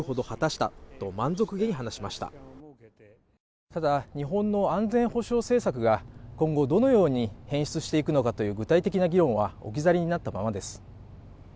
ただ、日本の安全保障政策が今後どのように変質していくのかという具体的な議論は置き去りになったままです。